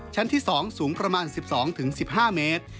ชั้นที่๒สูงประมาณ๑๒๑๕เมตร